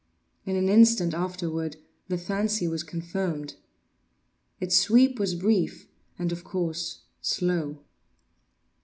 In an instant afterward the fancy was confirmed. Its sweep was brief, and of course slow.